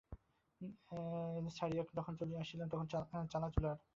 লীলানন্দস্বামীকে ছাড়িয়া যখন চলিয়া আসিলাম তখন চালচুলার কথা ভাবিবার সময় আসিল।